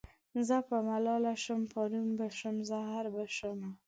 زه به ملاله شم پروین به شم زهره به شمه